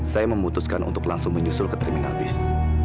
saya memutuskan untuk langsung menyusul ke terminal bis